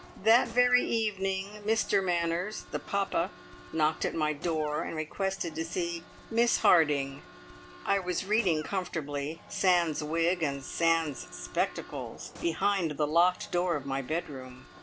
That very evening Mr Manners, the papa, knocked at my door and requested to see Miss Harding. I was reading comfortably, sans wig and sans spectacles, behind the locked door of my bedroom.